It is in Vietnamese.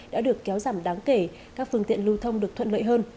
đã được kéo giảm đáng kể các phương tiện lưu thông được thuận lợi hơn